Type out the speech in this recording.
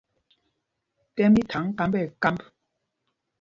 Tɛ́m í thaŋ kámb nɛ kámb.